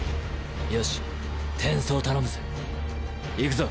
よし転送頼むぜ行くぞ。